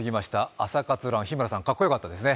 「朝活ＲＵＮ」日村さんかっこよかったですね。